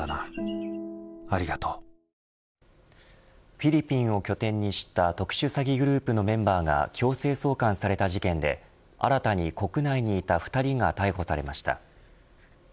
フィリピンを拠点にした特殊詐欺グループのメンバーが強制送還された事件で新たに、国内にいた２人が逮捕されました。